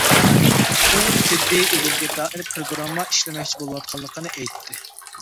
ئۇ تېببىي ئىلىمگە دائىر پىروگرامما ئىشلىمەكچى بولۇۋاتقانلىقىنى ئېيتتى.